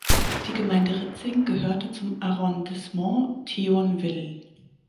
Die Gemeinde Ritzing gehörte zum Arrondissement Thionville.